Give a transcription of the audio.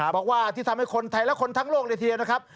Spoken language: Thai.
บอกว่าที่ทำให้คนไทยและคนทั้งโลกเลยทีเดียวนะครับ